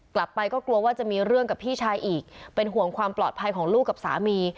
กลับไปก็กลัวว่าจะมีเรื่องกับพี่ชายอีกเป็นห่วงความปลอดภัยของลูกกับสามี